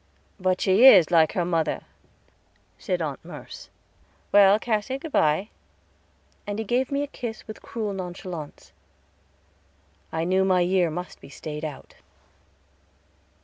"But she is like her mother," said Aunt Merce. "Well, Cassy, good by"; and he gave me a kiss with cruel nonchalance. I knew my year must be stayed out.